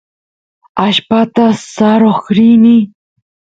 allpata saroq rini